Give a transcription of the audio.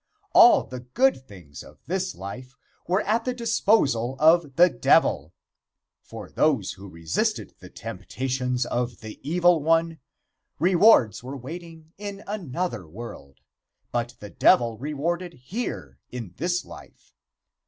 All the good things of this life were at the disposal of the Devil. For those who resisted the temptations of the Evil One, rewards were waiting in another world, but the Devil rewarded here in this life.